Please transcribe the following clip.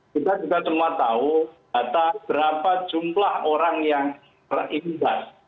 kita juga semua tahu data berapa jumlah orang yang terimbas